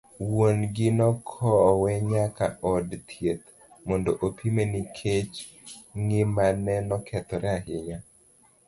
Wuon gi nokowe nyaka od thieth, mondo opime nikech ng'imane nokethore ahinya.